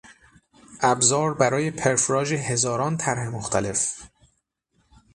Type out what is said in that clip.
ابزار برای پرفراژ هزاران طرح مختلف